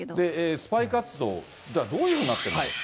スパイ活動、じゃあどういうふうになってるのか。